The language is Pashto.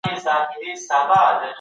حقایق په علمي توګه تنظیم سوي وو.